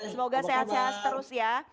semoga sehat sehat terus ya